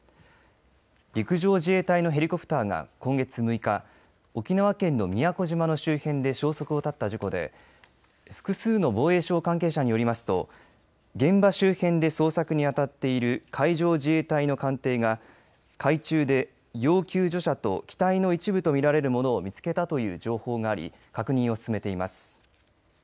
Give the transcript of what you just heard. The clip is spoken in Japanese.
陸上自衛隊のヘリコプターが今月６日沖縄県の宮古島の周辺で消息を絶った事故で複数の防衛省関係者によりますと現場周辺で捜索に当たっている海上自衛隊の艦艇が海中で要救助者と機体の一部と見られるものを見つけたという情報があり確認を進めています。